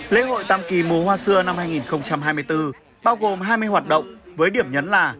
lễ hội tam kỳ mùa hoa xưa năm hai nghìn hai mươi bốn bao gồm hai mươi hoạt động với điểm nhấn là